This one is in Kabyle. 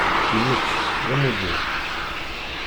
Immečč, d amuddir.